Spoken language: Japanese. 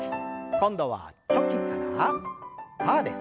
今度はチョキからパーです。